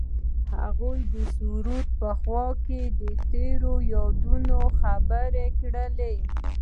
هغوی د سرود په خوا کې تیرو یادونو خبرې کړې.